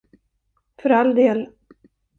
För all del.